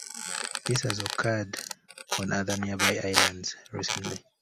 This has occurred on other nearby islands recently.